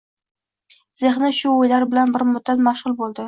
Zehni shu o'ylar bilan bir muddat mashg'ul bo'ldi.